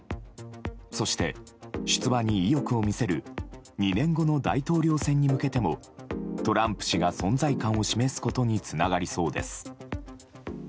そして、出馬に意欲を見せる２年後の大統領選に向けてもトランプ氏が存在感を示すことにつながりそうです。